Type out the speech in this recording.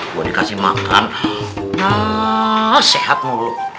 mau dikasih makan sehat mulu